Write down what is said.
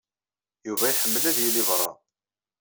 Yuba iḥemmel ad yili beṛṛa.